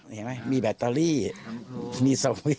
เห็นไหมมีแบตเตอรี่มีสวิป